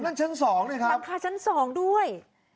หลังคาชั้นสองด้วย